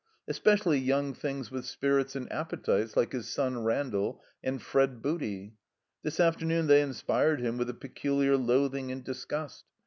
Especially young things with spirits and appetites like his son Randall and Fred Booty. This afternoon they inspired him with a peculiar loathing and disgust.